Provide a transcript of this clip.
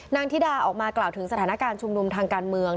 ธิดาออกมากล่าวถึงสถานการณ์ชุมนุมทางการเมือง